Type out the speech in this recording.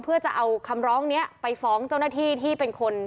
เพื่อจะเอาคำร้องนี้ไปฟ้องเจ้าหน้าที่ที่เป็นคน